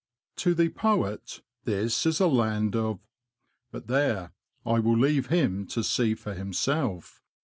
'^ To the poet, this is a land of . But there ! I will leave him to see for himself.